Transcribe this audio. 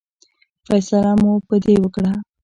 فیصله مو په دې وکړه.